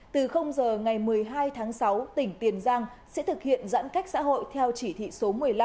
từ giờ ngày một mươi hai tháng sáu tỉnh tiền giang sẽ thực hiện giãn cách xã hội theo chỉ thị số một mươi năm